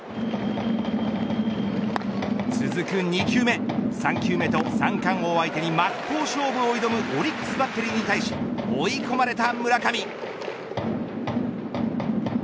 続く２球目、３球目と三冠王相手に真っ向勝負を挑むオリックスバッテリーに対し追い込まれた村上。